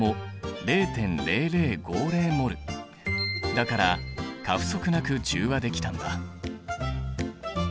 だから過不足なく中和できたんだ。